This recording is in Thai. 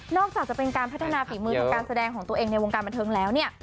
อกจากจะเป็นการพัฒนาฝีมือทางการแสดงของตัวเองในวงการบันเทิงแล้วเนี่ย